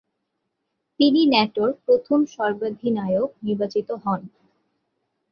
তিনি নেটোর প্রথম সর্বাধিনায়ক নির্বাচিত হন।